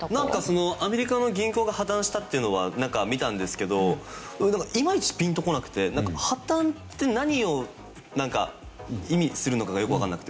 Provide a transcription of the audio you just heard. アメリカの銀行が破たんしたっていうのは見たんですけどいまいちピンとこなくて破たんって何を意味するのかがよくわかんなくて。